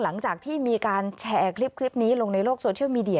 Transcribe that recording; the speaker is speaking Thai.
หลังจากที่มีการแชร์คลิปนี้ลงในโลกโซเชียลมีเดีย